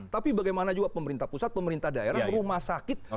tapi bagaimana juga pemerintah pusat pemerintah daerah rumah sakit